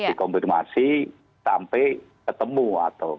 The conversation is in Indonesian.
dikonfirmasi sampai ketemu atau